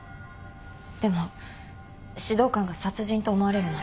でも指導官が殺人と思われるなら。